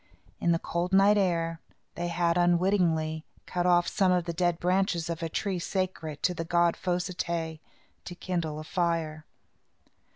In the cold night air, they had, unwittingly, cut off some of the dead branches of a tree sacred to the god Fos i té to kindle a fire.